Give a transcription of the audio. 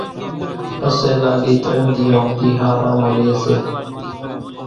پسي لاڏِي ترڃ ۮيئان ۿوُڌِي ۿاۿران مان ريئيَ سي۔